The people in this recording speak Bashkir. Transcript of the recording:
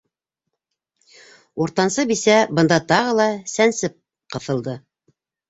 Уртансы бисә бында тағы ла сәнсеп ҡыҫылды: